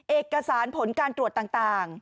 เอกสารผลการตรวจต่าง